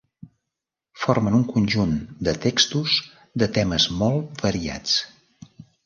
Formen un conjunt de textos de temes molt variats.